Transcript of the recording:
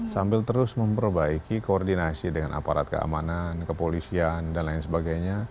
sambil terus memperbaiki koordinasi dengan aparat keamanan kepolisian dan lain sebagainya